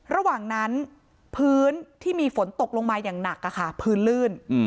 ระหว่างนั้นพื้นที่มีฝนตกลงมาอย่างหนักพื้นลื่น